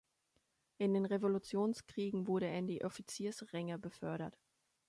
In den Revolutionskriegen wurde er in die Offiziersränge befördert.